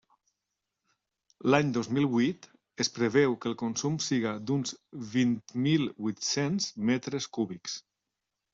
L'any dos mil huit es preveu que el consum siga d'uns vint mil huit-cents metres cúbics.